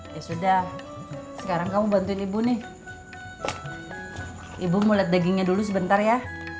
ya sudah sekarang kamu bantuin ibu nih ibu mulet dagingnya dulu sebentar ya